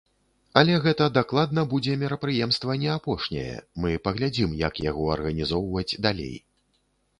Але гэта дакладна будзе мерапрыемства не апошняе, мы паглядзім як яго арганізоўваць далей.